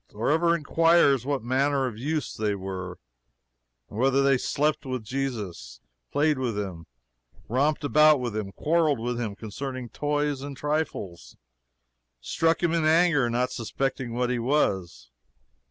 Who ever inquires what manner of youths they were; and whether they slept with Jesus, played with him and romped about him; quarreled with him concerning toys and trifles; struck him in anger, not suspecting what he was?